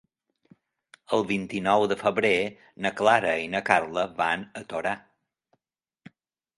El vint-i-nou de febrer na Clara i na Carla van a Torà.